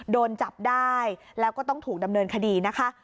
โดนจับได้แล้วก็ต้องถูกดำเนินคดีนะคะ